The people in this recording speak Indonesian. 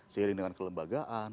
seiring dengan kelembagaan